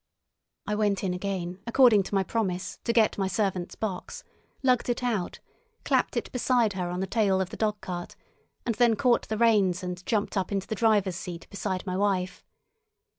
I went in again, according to my promise, to get my servant's box, lugged it out, clapped it beside her on the tail of the dog cart, and then caught the reins and jumped up into the driver's seat beside my wife.